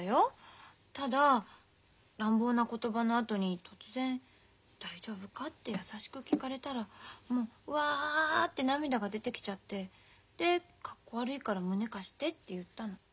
ただ乱暴な言葉のあとに突然「大丈夫か？」って優しく聞かれたらもうワって涙が出てきちゃってでかっこ悪いから胸貸してって言ったの。